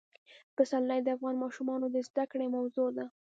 پسرلی د افغان ماشومانو د زده کړې موضوع ده.